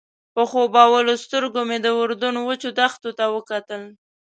په خوبولو سترګو مې د اردن وچو دښتو ته وکتل.